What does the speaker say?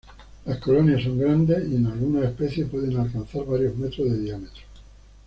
Las colonias son grandes y, en algunas especies, pueden alcanzar varios metros de diámetro.